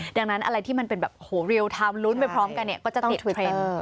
ดังนั้นอะไรที่มันเป็นแบบโหเรียลไทม์ลุ้นไปพร้อมกันเนี่ยก็จะติดเทรนด์